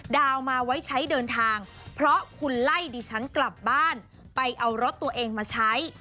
ดาวน์มาไว้ใช้เดินทางเพราะคุณไล่ดิฉันกลับบ้านไปเอารถตัวเองมาใช้